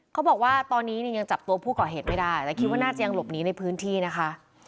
เขาบอกว่าตอนนี้เนี่ยยังจับตัวผู้ก่อเหตุไม่ได้แต่คิดว่าน่าจะยังหลบหนีในพื้นที่นะคะ